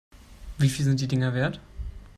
Wie viel sind die Dinger wert?